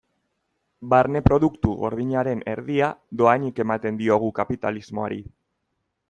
Barne Produktu Gordinaren erdia dohainik ematen diogu kapitalismoari.